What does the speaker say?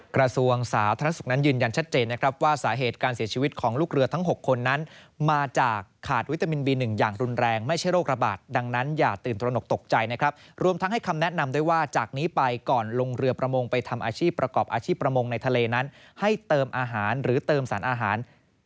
กระทรวงสาธารณสุขนั้นยืนยันชัดเจนนะครับว่าสาเหตุการเสียชีวิตของลูกเรือทั้ง๖คนนั้นมาจากขาดวิตามินบี๑อย่างรุนแรงไม่ใช่โรคระบาดดังนั้นอย่าตื่นตระหนกตกใจนะครับรวมทั้งให้คำแนะนำด้วยว่าจากนี้ไปก่อนลงเรือประมงไปทำอาชีพประกอบอาชีพประมงในทะเลนั้นให้เติมอาหารหรือเติมสารอาหาร